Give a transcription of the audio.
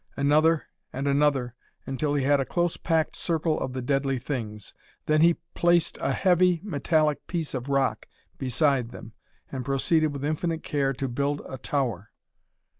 Another, and another, until he had a close packed circle of the deadly things. Then he placed a heavy, metallic piece of rock beside them and proceeded, with infinite care, to build a tower.